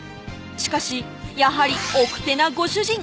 しかしやはり奥手なご主人